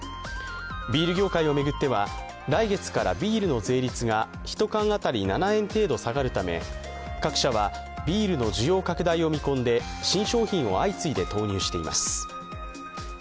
ビール業界を巡っては来月からビールの税率が１缶当たり７円程度上がるほか各社はビールの需要拡大を見込んで新商品を相次いで投入しています。